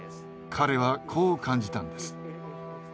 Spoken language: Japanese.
彼はこう感じたんです。